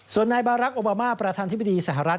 ส่วนนายบารักษ์โอบามาประธานธิบดีสหรัฐ